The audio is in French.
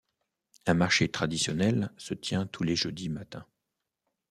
Un marché traditionnel se tient tous les jeudis matins.